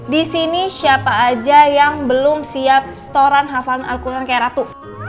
di sini siapa aja yang belum siap setoran hafal al quran kayak ratu